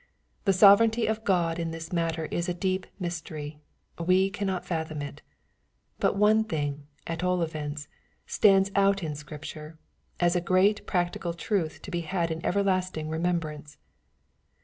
The sovereignty of God in this matter is a deep mystery : we cannot fathom it. But one thing, at all events, stands out in Scripture, as a great practical truth to be had in everlasting remembrance.